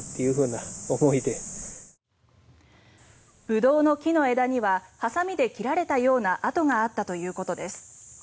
ブドウの木の枝にはハサミで切られたような跡があったということです。